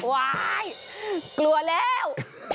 วายกลัวแล้ว